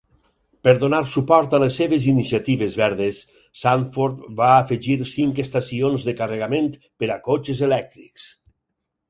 Per donar suport a les seves iniciatives verdes, Sanford va afegir cinc estacions de carregament per a cotxes elèctrics.